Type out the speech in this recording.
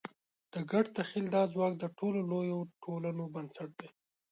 د ګډ تخیل دا ځواک د ټولو لویو ټولنو بنسټ دی.